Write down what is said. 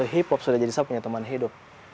hip hop sudah jadi saya punya teman hidup